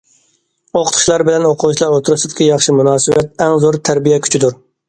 ئوقۇتقۇچىلار بىلەن ئوقۇغۇچىلار ئوتتۇرىسىدىكى ياخشى مۇناسىۋەت ئەڭ زور تەربىيە كۈچىدۇر.